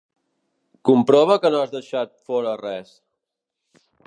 Comprova que no has deixat fora res.